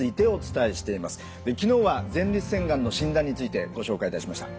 昨日は前立腺がんの診断についてご紹介いたしました。